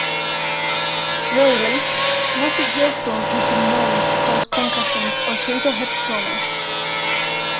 Rarely, massive hailstones have been known to cause concussions or fatal head trauma.